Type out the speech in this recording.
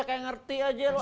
kayak ngerti aja lo